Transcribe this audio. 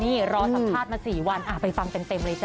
นี่รอสัมภาษณ์มา๔วันไปฟังเต็มเลยจ้